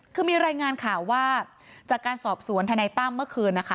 คือมีรายงานข่าวว่าจากการสอบสวนทนายตั้มเมื่อคืนนะคะ